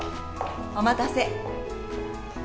お待たせ。